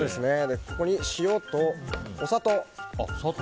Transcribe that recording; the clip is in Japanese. ここに塩とお砂糖。